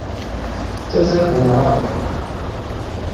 D tasa n umṛabeḍ!